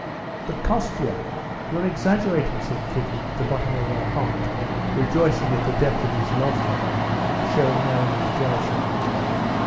"But, Kostya, you're exaggerating," said Kitty, at the bottom of her heart rejoicing at the depth of his love for her, shown now in his jealousy.